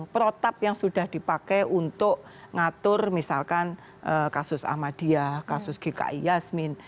protap yang sudah dipakai untuk ngatur misalkan kasus ahmadiyah kasus gki yasmin